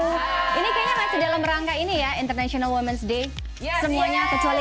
halo ini kayaknya masih dalam rangka ini ya international women's day semuanya kecuali